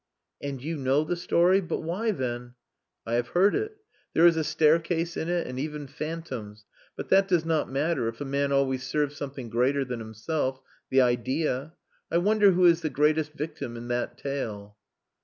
"And you know the story! But why, then " "I have heard it. There is a staircase in it, and even phantoms, but that does not matter if a man always serves something greater than himself the idea. I wonder who is the greatest victim in that tale?"